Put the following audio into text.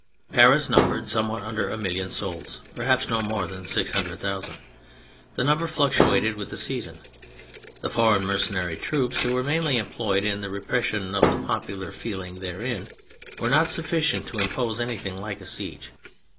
Paris numbered somewhat under a million souls : perhaps no more than 600,000 : the number fluctuated with the season. The foreign mercenary troops who were mainly employed in the repression of the popular feeling therein, were not sufficient to impose anything like a siege.